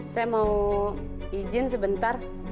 saya mau izin sebentar